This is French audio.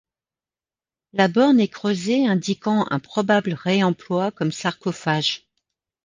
La borne est creusée, indiquant un probable réemploi comme sarcophage.